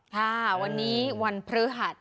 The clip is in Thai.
ค่ะวันนี้วันพฤหัส